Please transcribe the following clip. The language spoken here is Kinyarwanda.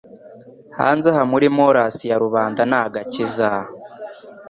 hanze aha muri morass ya rubanda ni agakiza